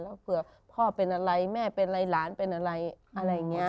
แล้วเผื่อพ่อเป็นอะไรแม่เป็นอะไรหลานเป็นอะไรอะไรอย่างนี้